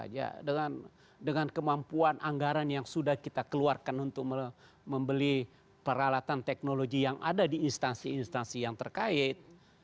ya dengan kemampuan anggaran yang sudah kita keluarkan untuk membeli peralatan teknologi yang ada di instansi instansi yang terkait